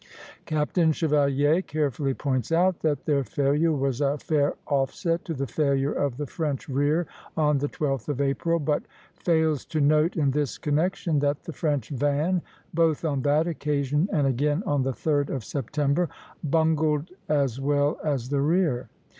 Captain Chevalier carefully points out that their failure was a fair offset to the failure of the French rear on the 12th of April, but fails to note in this connection that the French van, both on that occasion and again on the 3d of September, bungled as well as the rear.